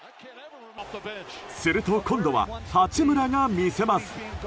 すると今度は、八村が魅せます。